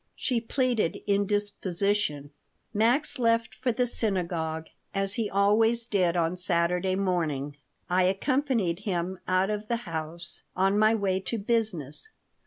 She pleaded indisposition Max left for the synagogue, as he always did on Saturday morning. I accompanied him out of the house, on my way to business.